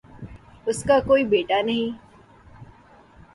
اس کا کوئی بیٹا نہیں